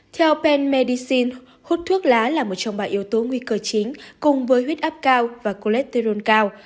theo pen medicine hút thuốc lá là một trong ba yếu tố nguy cơ chính cùng với huyết áp cao và choletteron cao